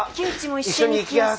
一緒に行きやす。